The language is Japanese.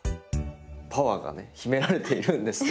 パワーがね秘められているんですね。